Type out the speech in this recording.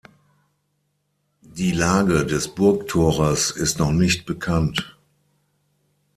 Die Lage des Burgtores ist noch nicht bekannt.